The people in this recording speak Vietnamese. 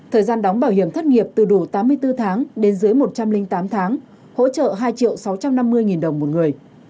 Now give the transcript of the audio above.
thời gian đóng bảo hiểm thất nghiệp từ đủ tám mươi bốn tháng đến dưới một trăm linh tám tháng hỗ trợ hai sáu trăm năm mươi đồng một người